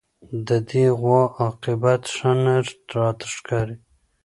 د دې غوا عاقبت ښه نه راته ښکاري